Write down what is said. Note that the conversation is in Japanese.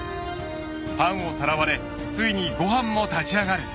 ［パンをさらわれついに悟飯も立ち上がる］